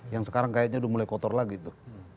yang sekarang kayaknya udah mulai kotor lagi tuh